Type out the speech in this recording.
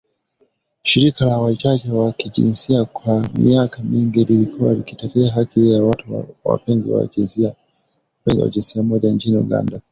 Shirika la Wachache wa Kijinsia kwa miaka mingi limekuwa likitetea haki za watu wa mapenzi ya jinsia moja nchini Uganda